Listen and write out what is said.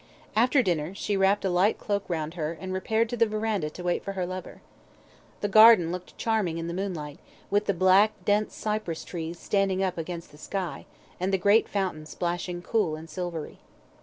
After dinner, she wrapped a light cloak round her, and repaired to the verandah to wait for her lover. The garden looked charming in the moonlight, with the black, dense cypress trees standing up against the sky, and the great fountain splashing cool and silvery.